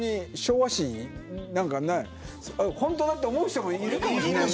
本当だと思う人もいるかもしれない。